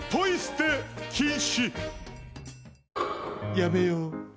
「やめよう。